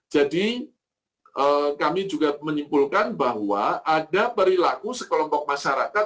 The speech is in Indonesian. jadi kami juga menyimpulkan bahwa ada perilaku sekelompok masyarakat